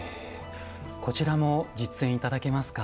こちらも実演頂けますか？